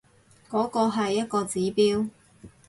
嗰個係一個指標